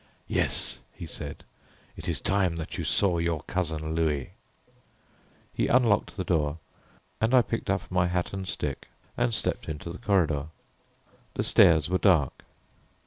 "Yes," he said, "it is time that you saw your cousin Louis." He unlocked the door and I picked up my hat and stick and stepped into the corridor. The stairs were dark.